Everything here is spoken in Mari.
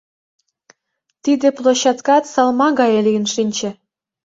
Тиде площадкат салма гае лийын шинче.